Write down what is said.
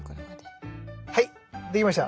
はいできました。